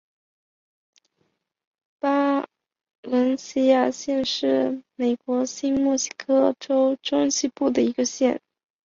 巴伦西亚县是美国新墨西哥州中西部的一个县。